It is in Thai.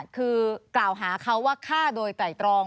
คือกล่าวหาเขาว่าฆ่าโดยไตรตรอง